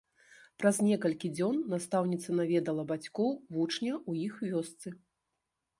Праз некалькі дзён настаўніца наведала бацькоў вучня ў іх вёсцы.